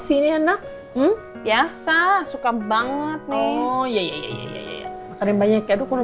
sebenarnya hubungan aku dipanggilnya lebih penting dari